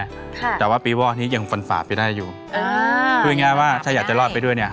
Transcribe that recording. ค่ะแต่ว่าปีวอกนี้ยังฟันฝ่าไปได้อยู่อ่าพูดง่ายว่าถ้าอยากจะรอดไปด้วยเนี้ย